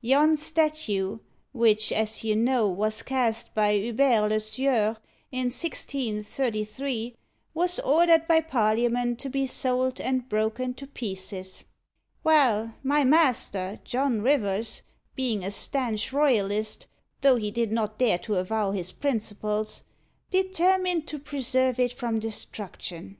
"Yon statue, which, as you know, was cast by Hubert le Sueur, in 1633, was ordered by Parliament to be sold and broken to pieces. Well, my master, John Rivers, being a stanch Royalist, though he did not dare to avow his principles, determined to preserve it from destruction.